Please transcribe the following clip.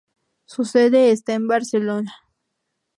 Su sede está en Barcelona.